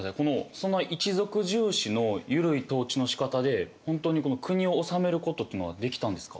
そんな一族重視のゆるい統治のしかたで本当に国を治めることっていうのはできたんですか？